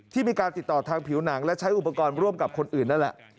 ที่มีการติดต่อทางผิวหนังและใช้อุปกรณ์ร่วมกับคนอื่นนั่นแหละ